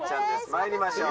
参りましょう。